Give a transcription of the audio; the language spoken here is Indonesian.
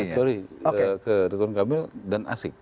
sorry ke rituan kamil dan asik